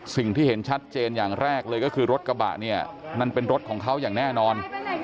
สิ่งที่เห็นชัดเจนอย่างแรกเลยก็คือรถกระบะเนี่ยนั่นเป็นรถของเขาอย่างแน่นอน